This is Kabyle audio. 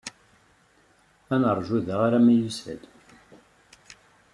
Ad neṛju da arma yusa-d.